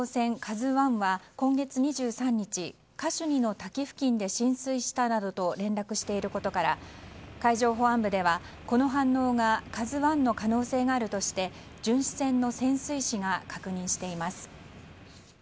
「ＫＡＺＵ１」はカシュニの滝沖で浸水したなどと連絡していることから海上保安部ではこの反応が「ＫＡＺＵ１」の可能性があるとして巡視船の潜水士が確認しています。